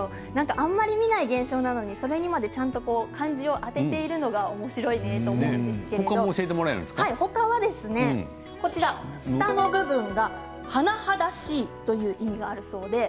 あまり見ない現象なのにそれにまでちゃんと漢字をあてているのがおもしろいなと思うんですけど他は霆いかずちは下の部分が甚だしいという意味があるそうです。